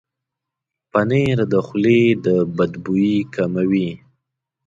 پنېر د خولې د بد بوي کموي.